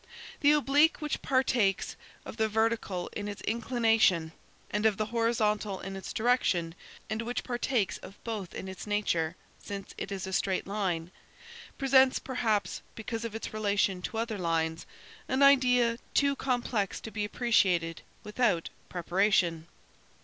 The oblique which partakes of the vertical in its inclination, and of the horizontal in its direction, and which partakes of both in its nature (since it is a straight line), presents perhaps, because of its relation to other lines, an idea too complex to be appreciated without preparation."